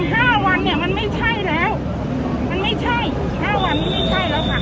ห้าวันเนี่ยมันไม่ใช่แล้วมันไม่ใช่ห้าวันนี้ไม่ใช่แล้วค่ะ